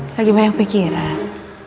lagi banyak pikiran